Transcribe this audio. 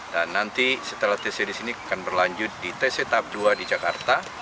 dan nanti setelah tc di sini akan berlanjut di tc tahap dua di jakarta